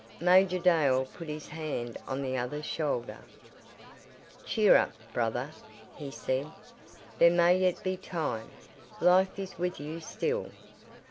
Major Dale put his hand on the other's shoulder. "Cheer up, brother," he said, "There may yet be time. Life is with you still."